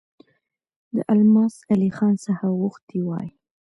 د الماس علي خان څخه غوښتي وای.